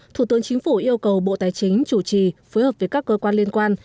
thủ tướng chính phủ yêu cầu bộ tài chính chủ trì phối hợp với các cơ quan liên quan